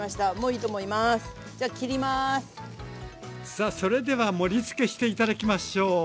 さあそれでは盛りつけして頂きましょう！